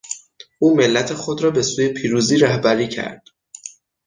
او ملت خود را به سوی پیروزی رهبری کرد.